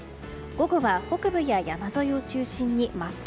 午後は北部や山沿いを中心に真っ赤。